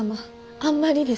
あんまりです。